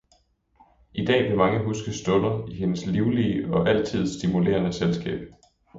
I dag vil mange huske stunder i hendes livlige og altid stimulerende selskab.